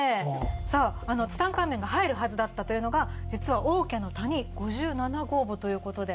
さああのツタンカーメンが入るはずだったというのが実は王家の谷５７号墓ということで。